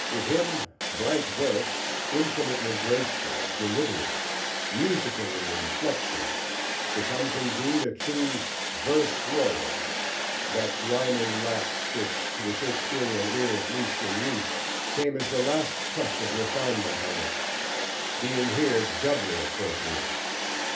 With him, blank verse, infinitely graceful, deliberate, musical in inflexion, becomes indeed a true "verse royal," that rhyming lapse, which to the Shakespearian ear, at least in youth, came as the last touch of refinement on it, being here doubly appropriate.